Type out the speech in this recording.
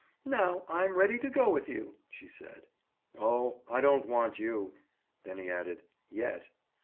"Now, I'm ready to go with you," she said. "Oh, I don't want you"—then he added "yet!